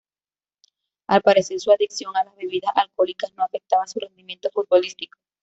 Al parecer, su adicción a las bebidas alcohólicas no afectaba su rendimiento futbolístico.